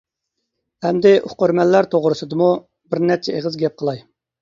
ئەمدى ئوقۇرمەنلەر توغرىسىدىمۇ بىر نەچچە ئېغىز گەپ قىلاي.